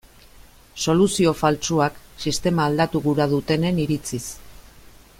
Soluzio faltsuak, sistema aldatu gura dutenen iritziz.